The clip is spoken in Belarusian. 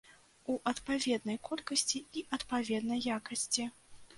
У адпаведнай колькасці і адпаведнай якасці.